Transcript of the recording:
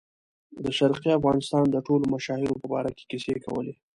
د شرقي افغانستان د ټولو مشاهیرو په باره کې کیسې کولې.